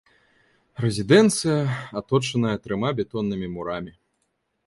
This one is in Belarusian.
Рэзідэнцыя аточаная трыма бетоннымі мурамі.